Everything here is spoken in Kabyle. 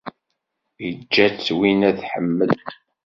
Iǧǧa-tt winna tḥemmel.